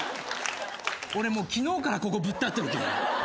俺もう昨日からここぶっ立っとるけん。